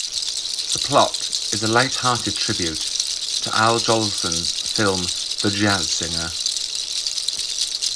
The plot is a lighthearted tribute to Al Jolson's film "The Jazz Singer".